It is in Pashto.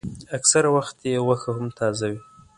اکثره وخت یې غوښه هم تازه وي.